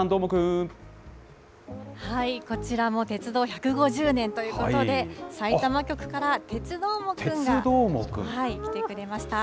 こちらも鉄道１５０年ということで、さいたま局から鉄どーもくんが来てくれました。